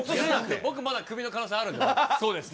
僕、まだクビの可能性あるのそうですね。